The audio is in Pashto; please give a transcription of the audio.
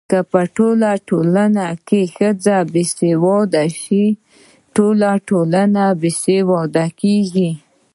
که په ټولنه کي ښځه باسواده سي ټولنه باسواده کيږي.